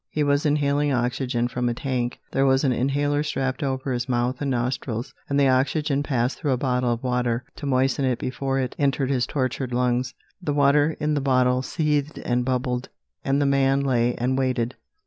He was inhaling oxygen from a tank. There was an inhaler strapped over his mouth and nostrils, and the oxygen passed through a bottle of water, to moisten it before it entered his tortured lungs. The water in the bottle seethed and bubbled, and the man lay and waited.